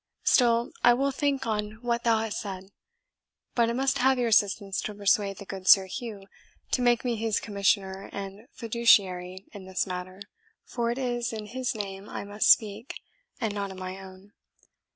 Still, I will think on what thou hast said; but I must have your assistance to persuade the good Sir Hugh to make me his commissioner and fiduciary in this matter, for it is in his name I must speak, and not in my own.